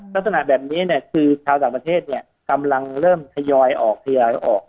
ลักษณะแบบนี้เนี่ยคือชาวต่างประเทศเนี่ยกำลังเริ่มทยอยออกทยอยออก